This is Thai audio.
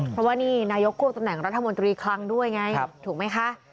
เพราะว่านี่นายกควบตำแหน่งรัฐมนตรีคลังด้วยไงถูกไหมคะ